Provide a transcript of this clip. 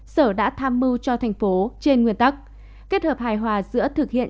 sở đã tham mưu cho thành phố trên nguyên tắc kết hợp hài hòa giữa thực hiện